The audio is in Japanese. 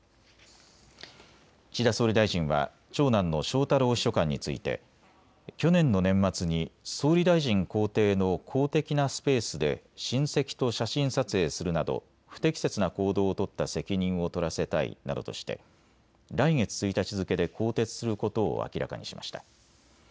岸田総理大臣は長男の翔太郎秘書官について去年の年末に総理大臣公邸の公的なスペースで親戚と写真撮影するなど不適切な行動を取った責任を取らせたいなどとして来月１日付けで更迭することを明らかにしました。